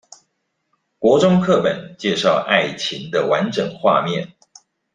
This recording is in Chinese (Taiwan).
國中課本介紹愛情的完整畫面